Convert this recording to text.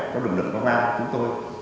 cho lực lượng công an chúng tôi